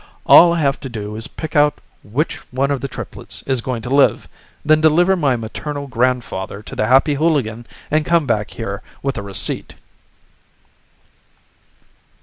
"All I have to do is pick out which one of the triplets is going to live, then deliver my maternal grandfather to the Happy Hooligan, and come back here with a receipt."